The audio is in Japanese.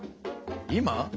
今？